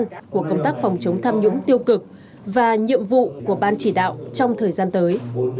phòng chống tham nhũng tiêu cực và nhiệm vụ của ban chỉ đạo trong thời gian tới